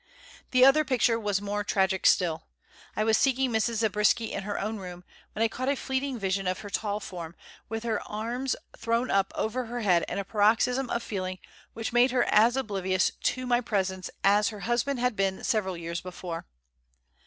The other picture was more tragic still. I was seeking Mrs. Zabriskie in her own room, when I caught a fleeting vision of her tall form, with her arms thrown up over her head in a paroxysm of feeling which made her as oblivious to my presence as her husband had been several hours before.